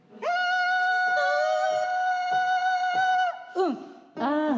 うん「ああ」。